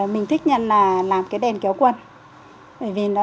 mình thích nhận là làm cái đèn kéo quân